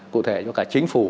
cụ thể cho cả chính phủ